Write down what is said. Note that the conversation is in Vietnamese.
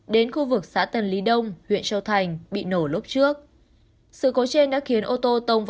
đến khu vực xã tân lý đông huyện trung lương